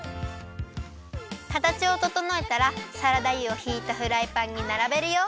かたちをととのえたらサラダ油をひいたフライパンにならべるよ。